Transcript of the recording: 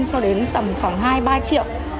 bảy trăm linh cho đến tầm khoảng hai ba triệu